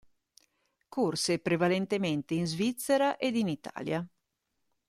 Corse prevalentemente in Svizzera ed in Italia.